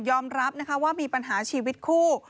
ยอมรับว่ามีปัญหาชีวิตคู่